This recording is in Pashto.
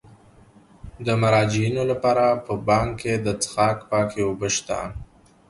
د مراجعینو لپاره په بانک کې د څښاک پاکې اوبه شته.